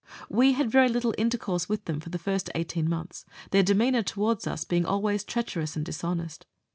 We had very little intercourse with them for the first eighteen months, their demeanour towards us being always treacherous and dishonest.